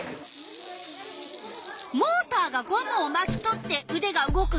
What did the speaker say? モーターがゴムをまき取ってうでが動くんだね。